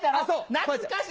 懐かしい！